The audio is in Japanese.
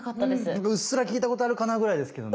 なんかうっすら聞いたことあるかなぐらいですけどね。